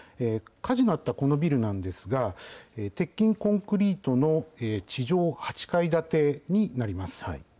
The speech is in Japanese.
火事のあったこのビルなんですが、鉄筋コンクリートの地上８階建てになります。